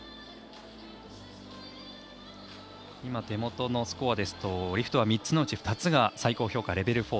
手元のスコアですとリフトは３つのうち２つが最高評価レベル４。